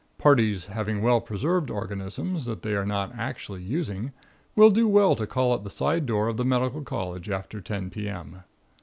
Parties having well preserved organisms that they are not actually using, will do well to call at the side door of the medical college after 10 P.M.